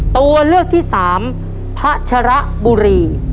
ตัวเลือกที่๓พระชระบุรี